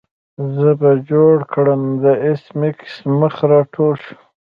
زه به څه جوړ کړم د ایس میکس مخ راټول شو